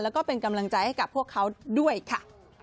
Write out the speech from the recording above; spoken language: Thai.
แล้วก็เป็นกำลังใจให้กับพวกเขาด้วยค่ะ